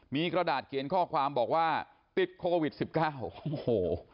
มีกระดาษเกณฑ์ข้อความบอกว่าติดโควิด๑๙โอ้โห